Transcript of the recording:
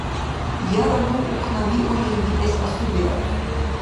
Яра ну ухънавиули виэс асубирар.